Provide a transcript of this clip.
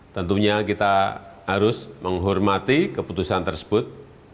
tentunya kita harus menghormati keputusan tersebut